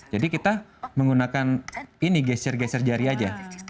jadi kita menggunakan ini geser geser jari aja